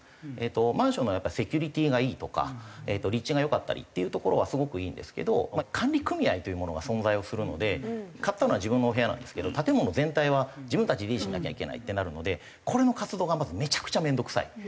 マンションのセキュリティーがいいとか立地が良かったりというところはすごくいいんですけど管理組合というものが存在するので買ったのは自分のお部屋なんですけど建物全体は自分たちで維持しなきゃいけないってなるのでこれの活動がまずめちゃくちゃ面倒くさいですね。